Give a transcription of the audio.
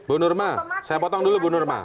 bu nurmawati saya potong dulu bu nurmawati